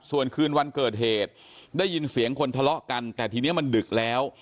ส่วนคืนวันเกิดเหตุได้ยินเสียงคนทะเลาะกันแต่ทีนี้มันดึกแล้ว